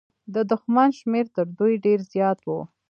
د دښمن شمېر تر دوی ډېر زيات و.